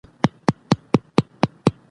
خلګو خپل فعالیتونه په چټکۍ سره ترسره کول.